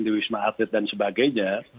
di wisma atlet dan sebagainya